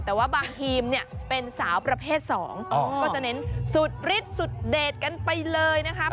แต่ว่าบางทีมเนี่ยเป็นสาวประเภท๒ก็จะเน้นสุดฤทธิสุดเด็ดกันไปเลยนะคะ